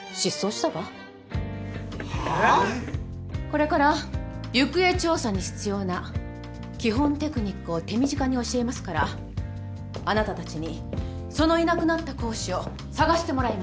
これから行方調査に必要な基本テクニックを手短に教えますからあなたたちにそのいなくなった講師を捜してもらいます。